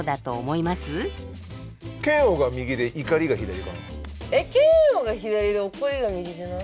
え嫌悪が左で怒りが右じゃない？